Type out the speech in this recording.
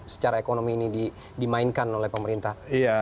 secara ekonomi ini dimainkan oleh pemerintah